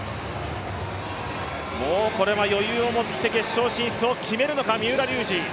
もうこれは余裕をもって決勝進出を決めるのか、三浦龍司。